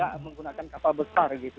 kita menggunakan kapal besar gitu